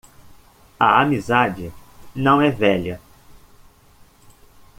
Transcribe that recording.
A amizade não é velha.